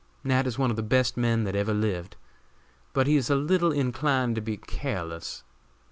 Nat. is one of the best men that ever lived, but he is a little inclined to be careless.